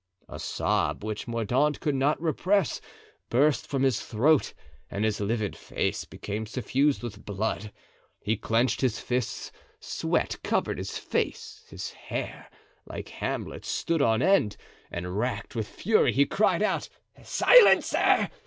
A sob which Mordaunt could not repress burst from his throat and his livid face became suffused with blood; he clenched his fists, sweat covered his face, his hair, like Hamlet's, stood on end, and racked with fury he cried out: "Silence, sir!